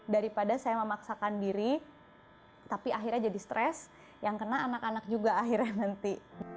daripada saya memaksakan diri tapi akhirnya jadi stres yang kena anak anak juga akhirnya nanti